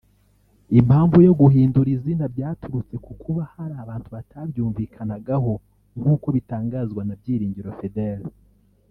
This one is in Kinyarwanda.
Impamvu yo guhindura izina byaturutse ku kuba hari abantu batabyumvikanagaho; nk’uko bitangazwa na Byiringiro Fidele